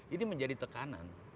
ini menjadi tekanan